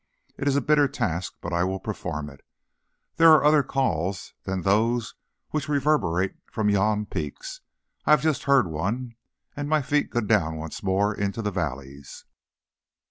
It is a bitter task, but I will perform it. There are other calls than those which reverberate from yon peaks. I have just heard one, and my feet go down once more into the valleys."